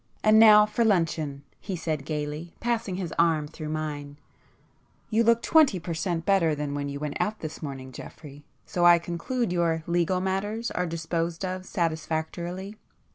"And now for luncheon," he said gaily, passing his arm through mine—"You look twenty per cent. better than when you went out this morning, Geoffrey, so I conclude your legal matters are disposed of satisfactorily.